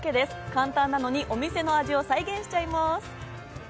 簡単なのにお店の味を再現しちゃいます。